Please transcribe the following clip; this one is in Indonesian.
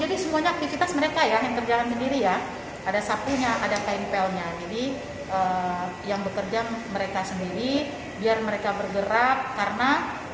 akan mulai beroperasi sebagai lokasi isolasi pasien otg covid sembilan belas mulai pekan mendatang